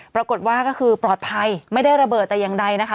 ปรากฏว่าก็คือปลอดภัยไม่ได้ระเบิดแต่อย่างใดนะคะ